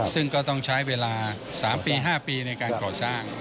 ซึ่งก็ต้องใช้เวลา๓ปี๕ปีในการก่อสร้าง